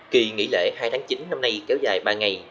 kỳ nghỉ lễ hai tháng chín năm nay kéo dài ba ngày